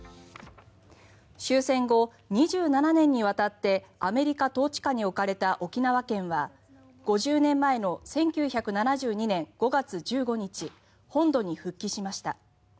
終戦後２７年にわたってアメリカ統治下に置かれた沖縄県は５０年前の１９７２年５月１５日本土に復帰しました。